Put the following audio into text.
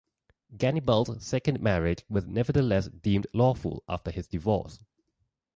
Gannibal's second marriage was nevertheless deemed lawful after his divorce.